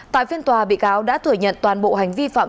tại phiên tòa bị cáo đã thừa nhận toàn bộ hành vi phạm